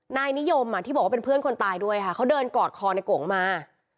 นายนิยมที่บอกว่าเป็นเพื่อนคนตายด้วยค่ะเขาเดินกอดคอในโกงมา